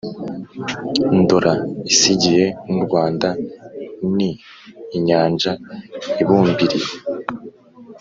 Ndora isigiye n'u Rwanda. Ni inyanja ibumbiriye,